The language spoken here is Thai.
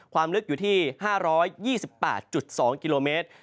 ความลึกอยู่ที่๕๒๘๒กิโลเมตร